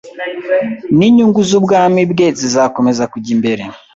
n’inyungu z’ubwami bwe zizakomeza kujya imbere.